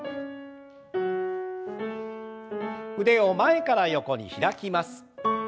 腕を前から横に開きます。